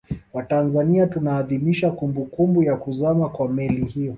Watanzania tunaadhimisha kumbukumbu ya kuzama kwa Meli hiyo